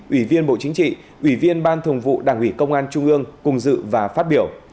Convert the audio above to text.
ủy viên bộ chính trị ủy viên ban thường vụ đảng ủy công an trung ương cùng dự và phát biểu